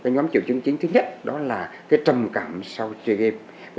nhóm triệu chứng chính thứ nhất đó là trầm cảm sau chơi game